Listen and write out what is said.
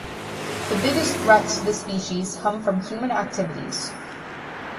The biggest threats to the species come from human activities.